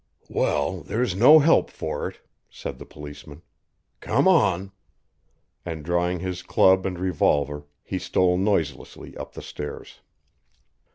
"Well, there's no help for it," said the policeman. "Come on!" And drawing his club and revolver he stole noiselessly up the stairs.